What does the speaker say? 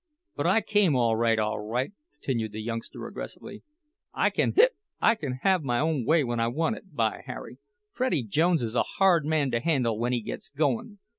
"But I came all right, all right," continued the youngster, aggressively, "I can—hic—I can have my own way when I want it, by Harry—Freddie Jones is a hard man to handle when he gets goin'!